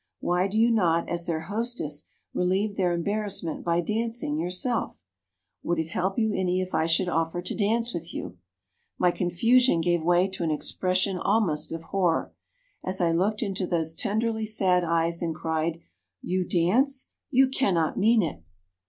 Why do you not, as their hostess, relieve their embarrassment by dancing, yourself? Would it help you any if I should offer to dance with you?' "My confusion gave way to an expression almost of horror, as I looked into those tenderly sad eyes and cried, 'You dance! You cannot mean it!'